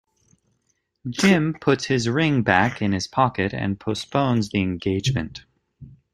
Jim puts his ring back in his pocket and postpones the engagement.